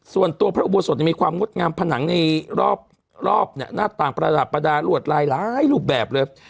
ส่วนตัวพระอุโบสถมีความงดงามผนังในรอบหน้าต่างประดับประดาลวดลายหลายรูปแบบเลย